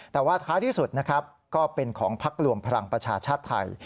แต่ว่าฐานที่สุดเป็นของพักรวมพลังประชาชาติไทย